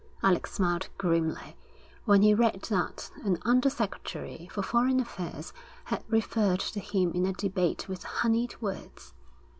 Alec smiled grimly when he read that an Under Secretary for Foreign Affairs had referred to him in a debate with honeyed words.